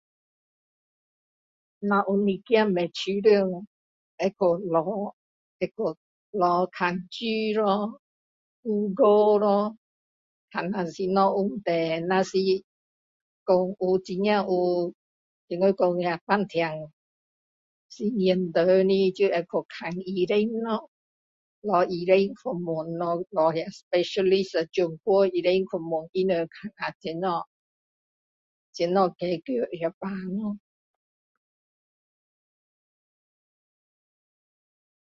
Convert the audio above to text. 那有一点不舒服会去看有什么问题，如果是有真的有觉得说是很严重的去看医生找医生找specialist 专科医生去问他们看怎样怎样解决病咯